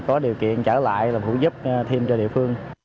có điều kiện trở lại làm hữu giúp thêm cho địa phương